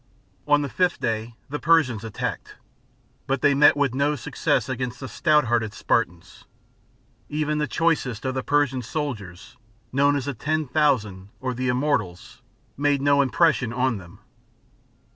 On the fifth day the Persians attacked, but they met with no success, against the stout hearted Spartans. Even the choicest of the Persian, soldiers, known as the Ten Thousand or the Immortals, made no impression on them.